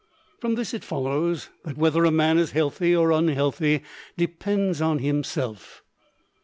From this it follows that whether a man is healthy or unhealthy depends on himself.